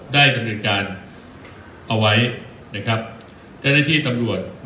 ได้สำเร็จการเอาไว้นะครับและได้ที่สำหรับหลวด